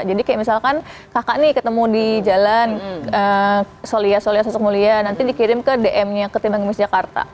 jadi kayak misalkan kakak nih ketemu di jalan solia solia satuk mulia nanti dikirim ke dm nya ketimbang ngemis jakarta